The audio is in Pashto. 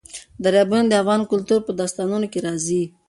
دریابونه د افغان کلتور په داستانونو کې راځي.